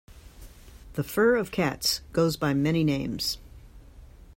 The fur of cats goes by many names.